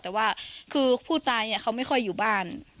แต่ว่าคือผู้ตายเขาไม่ค่อยอยู่บ้าน